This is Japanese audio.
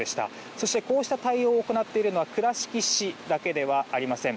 そして、こうした対応を行っているのは倉敷市だけではありません。